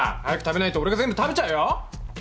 早く食べないと俺が全部食べちゃうよ！